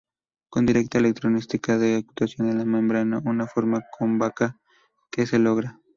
Con directa electrostática de actuación en la membrana, una forma cóncava que se logra.